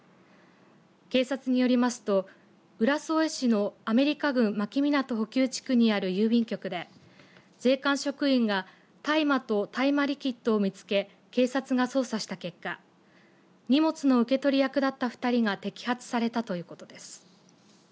警察によりますと浦添市のアメリカ軍牧港補給地区にある郵便局で税関職員が大麻と大麻リキッドを見つけ警察が捜査した結果荷物の受け取り役だった２人が摘発されたということです。